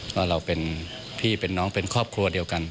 ว่าเราเป็นพี่เป็นน้องเป็นครอบครัวเดียวกัน